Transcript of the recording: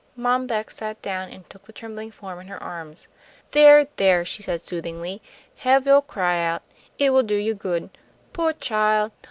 Mom Beck sat down, and took the trembling form in her arms. "There, there!" she said, soothingly, "have yo' cry out. It will do you good. Poah chile!